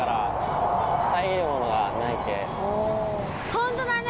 ホントだね